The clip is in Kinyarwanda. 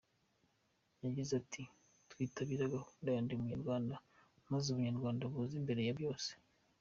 Yagize ati “Mwitabire gahunda ya Ndi Umunyarwanda, maze ubunyarwanda buze imbere ya byose.